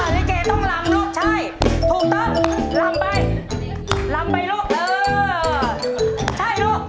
อ๋อนี่เกต้องลำลูกใช่ถูกต้องลำไปลำไปลูกเออ